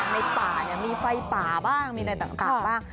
ในป่ามีไฟป่าบ้างมีอะไรต่างบ้าง